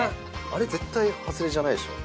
あれ絶対外れじゃないでしょ